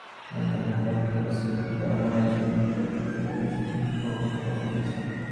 আমি হঠাত্ করে সাকিবকে এমন আচরণ করতে দেখে অসম্ভব অবাক হয়েছি।